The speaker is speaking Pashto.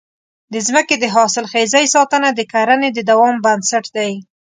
د ځمکې د حاصلخېزۍ ساتنه د کرنې د دوام بنسټ دی.